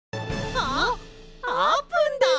あっあーぷんです！